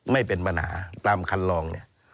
ไม่เป็นปัญหาตามคันลองเนี่ย